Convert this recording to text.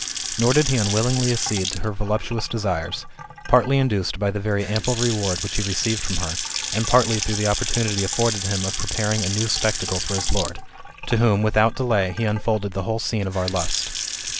Nor did he unwillingly accede to her voluptuous desires, partly induced by the very ample reward which he received from her, and partly through the opportunity afforded him of preparing a new spectacle for his lord ; to whom, without delay, he unfolded the whole scene of our lust.